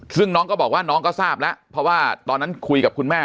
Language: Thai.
ซึ่งน้องก็บอกว่าน้องก็ทราบแล้วเพราะว่าตอนนั้นคุยกับคุณแม่